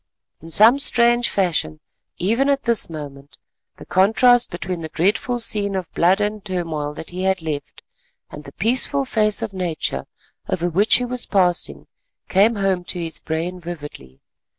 In some strange fashion, even at this moment, the contrast between the dreadful scene of blood and turmoil that he had left, and the peaceful face of Nature over which he was passing, came home to his brain vividly.